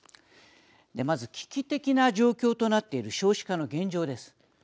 まず、危機的な状況となっている少子化の現状です。